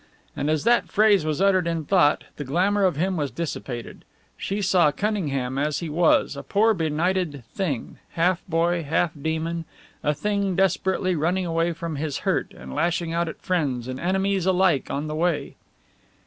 And as that phrase was uttered in thought, the glamour of him was dissipated; she saw Cunningham as he was, a poor benighted thing, half boy, half demon, a thing desperately running away from his hurt and lashing out at friends and enemies alike on the way.